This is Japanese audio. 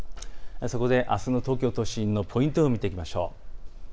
あすの東京都心のポイント予報を見ていきましょう。